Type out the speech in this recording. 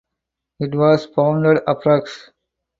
It was founded approx.